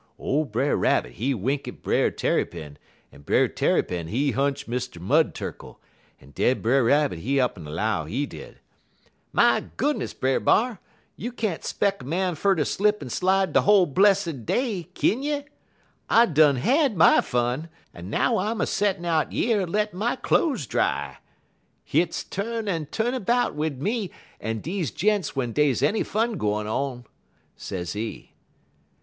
"Ole Brer Rabbit he wink at Brer Tarrypin, en Brer Tarrypin he hunch Mr. Mud Turkle, en den Brer Rabbit he up'n 'low, he did: "'My goodness, Brer B'ar! you can't 'speck a man fer ter slip en slide de whole blessid day, kin you? I done had my fun, en now I'm a settin' out yer lettin' my cloze dry. Hit's tu'n en tu'n about wid me en deze gents w'en dey's any fun gwine on,' sezee.